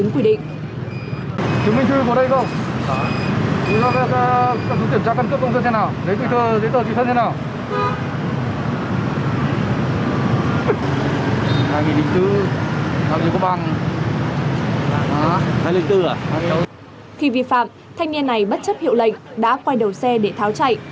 khi vi phạm thanh niên này bất chấp hiệu lệnh đã quay đầu xe để tháo chạy